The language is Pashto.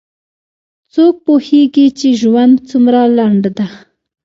څوک پوهیږي چې ژوند څومره لنډ ده